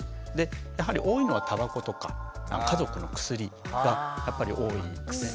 やはり多いのはタバコとか家族の薬がやっぱり多いですね。